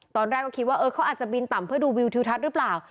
ตอนแรกก็คิดว่าเขาอาจจะบินต่ำเพื่อดูวิวทิวทัศน์หรือเปล่า